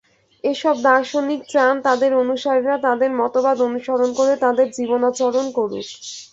এসব দার্শনিক চান তাঁদের অনুসারীরা তাঁদের মতবাদ অনুসরণ করে তাঁদের জীবনাচরণ করুক।